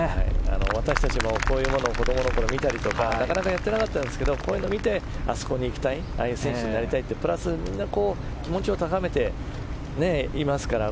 私たちもこういうものを子供の時に見たりとか、なかなかやってなかったんですけどこういうのを見てあそこに行きたいああいう選手になりたいと気持ちを高めていますから。